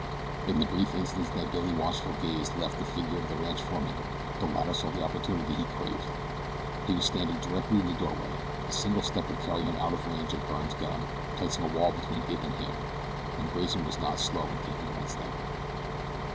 In the brief instant that Billy's watchful gaze left the figure of the ranch foreman the latter saw the opportunity he craved. He was standing directly in the doorway a single step would carry him out of range of Byrne's gun, placing a wall between it and him, and Grayson was not slow in taking that step.